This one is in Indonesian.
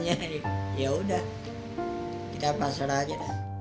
ya sudah kita pasar saja